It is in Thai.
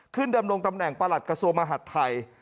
ดำรงตำแหน่งประหลัดกระทรวงมหาดไทย